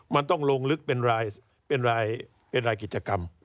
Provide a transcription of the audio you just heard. มันต้องลงลึกเป็นรายกิจกรรม